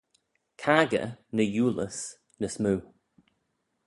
Caggey, ny eulys, ny smoo.